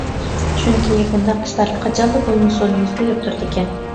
چۈنكى بۇنداق ئىشلار قاچانلا بولمىسۇن يۈز بېرىپ تۇرىدىكەن.